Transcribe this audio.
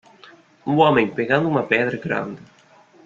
Um homem pegando uma pedra grande.